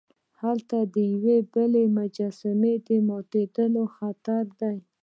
هلته د یوې بلې مجسمې د ماتیدو خطر دی.